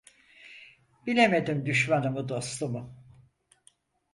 Bilemedim düşmanımı dostumu.